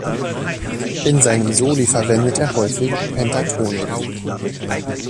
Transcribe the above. In seinen Soli verwendet er häufig Pentatonik.